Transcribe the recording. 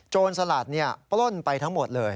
โจรสลัดเนี่ยปล้นไปทั้งหมดเลย